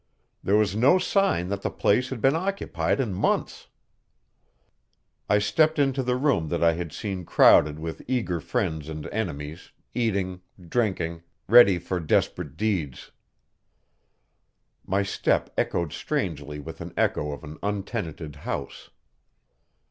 There was no sign that the place had been occupied in months. I stepped into the room that I had seen crowded with eager friends and enemies, eating, drinking, ready for desperate deeds. My step echoed strangely with the echo of an untenanted house.